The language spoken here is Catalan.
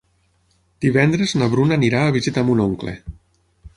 Divendres na Bruna anirà a visitar mon oncle.